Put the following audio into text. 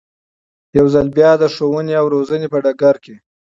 يو ځل بيا د ښوونې او روزنې په ډګر کې